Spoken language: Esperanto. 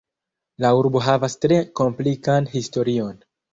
La urbo havas tre komplikan historion.